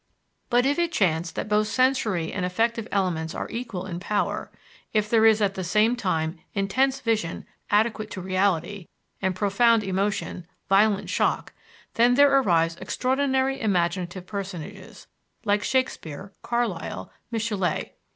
But if it chance that both sensory and affective elements are equal in power; if there is at the same time intense vision adequate to reality, and profound emotion, violent shock, then there arise extraordinary imaginative personages, like Shakespeare, Carlyle, Michelet.